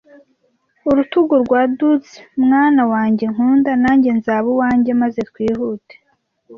Urutugu rwa duds mwana wanjye nkunda, nanjye nzaba uwanjye, maze twihute,